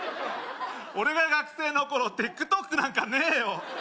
俺が学生の頃ＴｉｋＴｏｋなんかねえよ